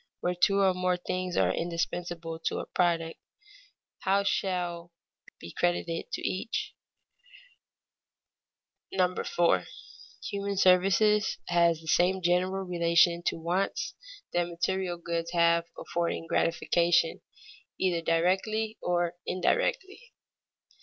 Where two or more things are indispensable to a product, how much shall be credited to each? [Sidenote: Labor gratifies directly and indirectly] 4. _Human service has the same general relation to wants that material goods have, affording gratification either directly or indirectly.